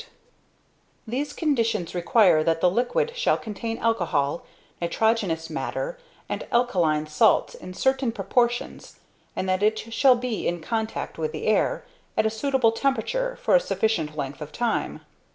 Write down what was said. These conditions require that the liquid shall contain alcohol, nitrogenous matter, and alkaline salts in certain proportions, and that it shall be in contact with the air, at a suitable temperature, for a sufficient length of time.